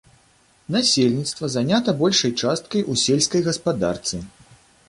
Насельніцтва занята большай часткай у сельскай гаспадарцы.